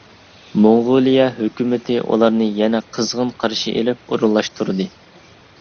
موڭغۇلىيە ھۆكۈمىتى ئۇلارنى يەنە قىزغىن قارشى ئېلىپ ئورۇنلاشتۇردى.